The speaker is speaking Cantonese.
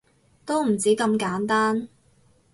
都唔止咁簡單